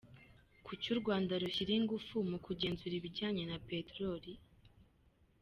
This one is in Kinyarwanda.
Kuki u Rwanda rushyira ingufu mu kugenzura ibijyanye na Peteroli?.